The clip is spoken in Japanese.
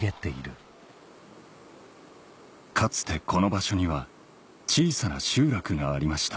かつてこの場所には小さな集落がありました